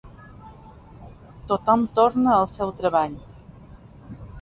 Tothom torna al seu treball.